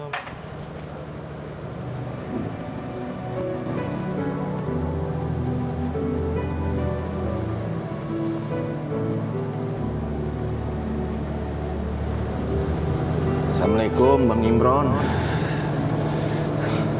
asalamu'alaikum bang imroni